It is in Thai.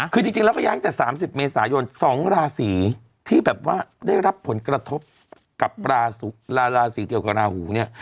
คือจริงแล้วก็ย้ายตั้งแต่๓๐เมษายน๒ราศีที่แบบว่าได้รับผลกระทบกับราศีเกี่ยวกับราหูเนี่ย